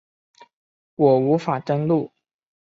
我无法登入